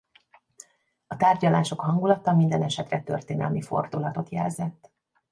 A tárgyalások hangulata mindenesetre történelmi fordulatot jelzett.